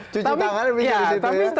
cucu tangan lebih dari situ ya